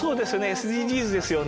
ＳＤＧｓですよね。